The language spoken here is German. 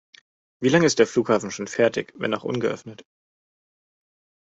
Wie lange ist der Flughafen schon fertig, wenn auch ungeöffnet?